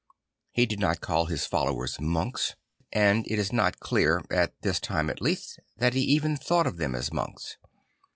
He did not call his followers monks; and it is not clear, at this time at least, that he even thought of them as monks.